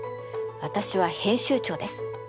私は編集長です。